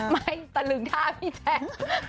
ไม่ตะลึงท่าพี่แทง